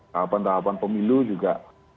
tahapan tahapan pemilu juga